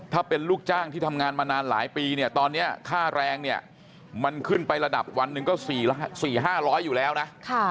ถ้าเป็นลูกจ้างที่ทำงานมานานหลายปีตอนนี้ค่าแรงมันขึ้นไประดับวันหนึ่งก็สี่ห้าร้อยอยู่แล้วนะ